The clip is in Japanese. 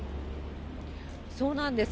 そうなんです。